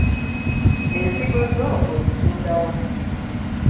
Ensigo zo ozitunda wa?